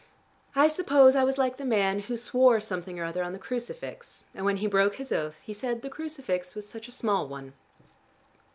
I suppose I was like the man who swore something or other on the crucifix, and when he broke his oath, he said the crucifix was such a small one."